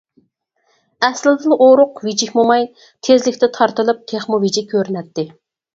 ئەسلىدىلا ئورۇق، ۋىجىك موماي، تېزلىكتە تارتىلىپ تېخىمۇ ۋىجىك كۆرۈنەتتى.